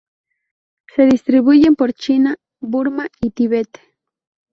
Se distribuyen por China, Burma y Tíbet.